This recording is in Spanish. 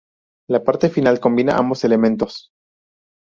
La parte final combina ambos elementos.